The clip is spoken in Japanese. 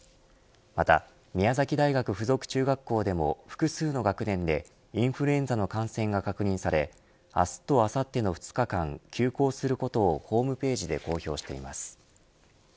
また宮崎大学付属中学校でも複数の学年でインフルエンザの感染が確認され明日とあさっての２日間休校することをホームページで公表しています。